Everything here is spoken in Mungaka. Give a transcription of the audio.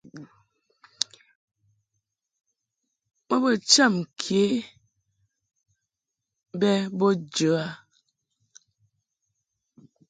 Bo bə cham ke bɛ bo jə a.